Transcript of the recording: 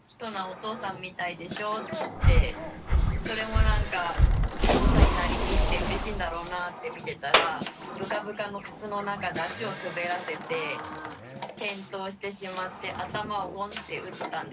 それもなんかお父さんになりきってうれしいんだろうなって見てたらブカブカの靴の中で足を滑らせて転倒してしまって頭をゴンッて打ったんですね。